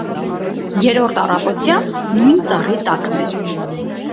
Երրորդ առավոտյան նույն ծառի տակն էր: